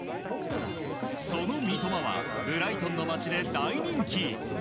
その三笘はブライトンの街で大人気。